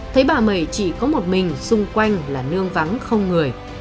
thấy bà mẩy chỉ có một mình xung quanh là nương vắng không người